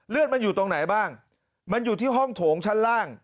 เลือดมันอยู่ตรงไหนบ้างมันอยู่ที่ห้องโถงชั้นล่าง